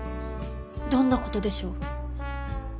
どんなことでしょう？